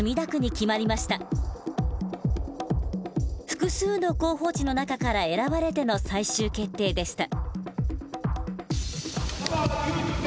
複数の候補地の中から選ばれての最終決定でした。